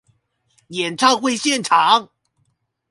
演唱會現場